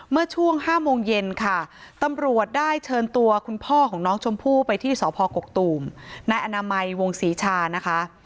เมื่อช่วง๕โมงเย็นค่ะตำรวจได้เชิญตัวคุณพ่อของน้องชมพู่ไปที่สพกกตูมนายอนามัยวงศรีชานะคะ